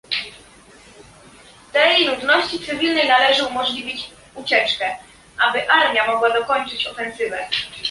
Tej ludności cywilnej należy umożliwić ucieczkę, aby armia mogła dokończyć ofensywę